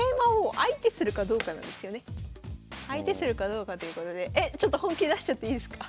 さあこの相手するかどうかということでえちょっと本気出しちゃっていいですか？